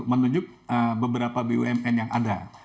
menunjuk beberapa bumn yang ada